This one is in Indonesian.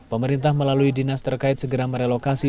pemerintah melalui dinas terkait segera merelokasi